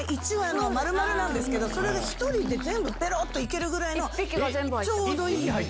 １羽丸々なんですけれども、それが１人で全部ぺろっといけるぐらいの、ちょうどいい。